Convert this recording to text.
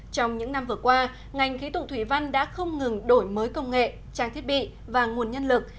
trong những năm vừa qua ngành khí tượng thủy văn đã không ngừng đổi mới công nghệ trang thiết bị và nguồn nhân lực